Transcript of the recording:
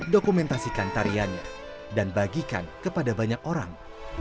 dokumentasikan tariannya dan bagikan kepada banyak orang